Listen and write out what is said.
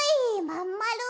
まんまる！